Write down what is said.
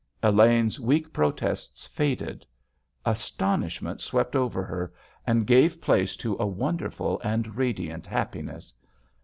Elaine's weak protests faded; astonishment swept over her, and gave place to a wonderful and radiant happiness.